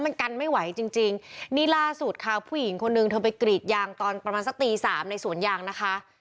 มันกันไม่ไหวจริงจริงนี่ล่าสุดค่ะผู้หญิงคนนึงเธอไปกรีดยางตอนประมาณสักตีสามในสวนยางนะคะ